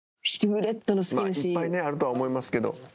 いっぱいあるとは思いますけど。